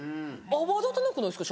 泡立たなくないですか？